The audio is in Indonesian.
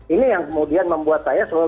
ini yang kemudian membuat saya selalu